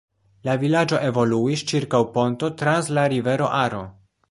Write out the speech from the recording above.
La vilaĝo evoluis ĉirkaŭ ponto trans la rivero Aro.